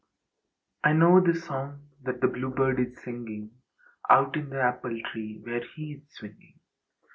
I know the song that the bluebird is singing Out in the apple tree where he is swinging.